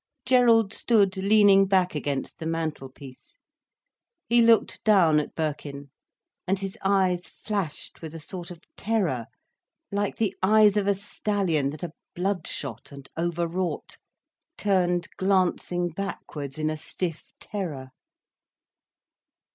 Gerald stood leaning back against the mantel piece. He looked down at Birkin, and his eyes flashed with a sort of terror like the eyes of a stallion, that are bloodshot and overwrought, turned glancing backwards in a stiff terror.